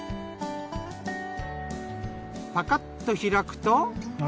パカッと開くと。